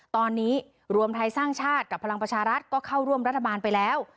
ตอนนี้รวมไทยสร้างชาติกับพลังประชารัฐก็เข้าร่วมรัฐบาลไปแล้ว